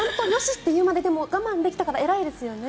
って言うまで我慢できたから偉いですね。